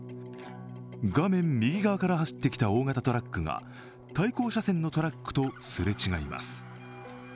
画面右側から走ってきた大型トラックが対向車線のトラックとすれ違います。